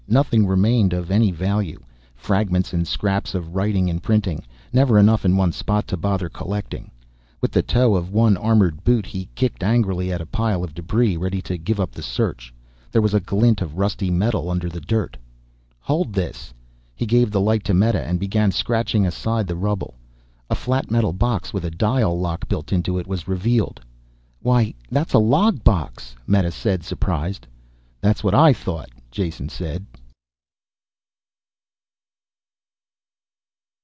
Nothing remained of any value. Fragments and scraps of writing and printing. Never enough in one spot to bother collecting. With the toe of one armored boot, he kicked angrily at a pile of debris, ready to give up the search. There was a glint of rusty metal under the dirt. "Hold this!" He gave the light to Meta and began scratching aside the rubble. A flat metal box with a dial lock built into it, was revealed. "Why that's a log box!" Meta said, surprised. "That's what I thought," Jason said.